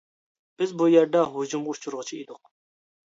بىز بۇ يەردە ھۇجۇمغا ئۇچرىغۇچى ئىدۇق.